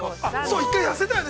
◆そう、１回痩せたよね。